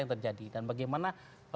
yang terjadi dan bagaimana